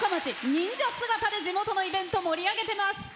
忍者姿で地元のイベントを盛り上げています。